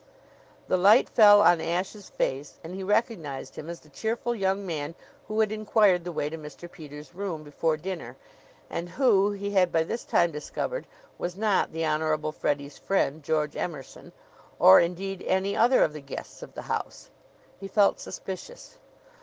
The light fell on Ashe's face, and he recognized him as the cheerful young man who had inquired the way to Mr. Peters' room before dinner and who, he had by this time discovered, was not the Honorable Freddie's friend, George Emerson or, indeed, any other of the guests of the house. He felt suspicious.